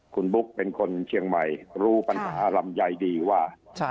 คุณบุ๊กเป็นคนเชียงใหม่รู้ปัญหาลำไยดีว่า